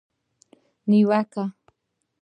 نیوکه